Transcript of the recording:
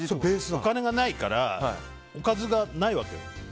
お金がないからおかずがないのよ。